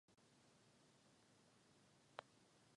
První je přirozeně zachování jednoty Evropské unie.